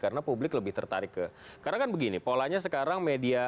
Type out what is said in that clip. karena publik lebih tertarik ke karena kan begini polanya sekarang media